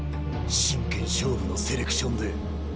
真剣勝負のセレクションで。